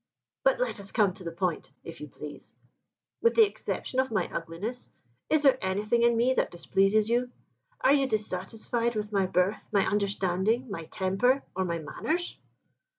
But let us come to the point, if you please. With the exception of my ugliness, is there anything in me that displeases you? Are you dissatisfied with my birth, my understanding, my temper, or my manners?"